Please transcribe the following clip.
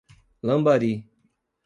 Lambari